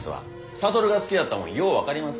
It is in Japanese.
諭が好きやったんもよう分かります。